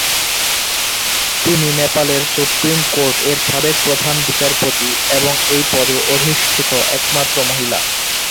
তিনি নেপালের supreme court এর সাবেক প্রধান বিচারপতি এবং এই পদে অধিষ্ঠিত একমাত্র মহিলা।